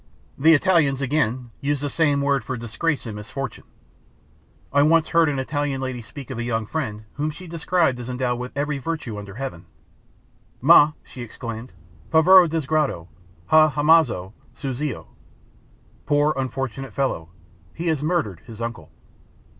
The Italians, again, use the same word for "disgrace" and "misfortune." I once heard an Italian lady speak of a young friend whom she described as endowed with every virtue under heaven, "ma," she exclaimed, "povero disgraziato, ha ammazzato suo zio." ("Poor unfortunate fellow, he has murdered his uncle.")